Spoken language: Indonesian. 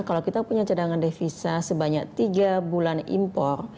kalau kita punya cadangan devisa sebanyak tiga bulan impor